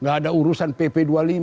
gak ada urusan pp dua puluh lima